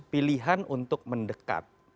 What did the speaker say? pilihan untuk mendekat